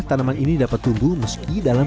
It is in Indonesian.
tanaman ini dapat tumbuh meski dalam